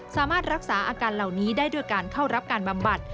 สามารถรักษาอาการเหล่านี้ได้ด้วยการเข้ารับการบำบัด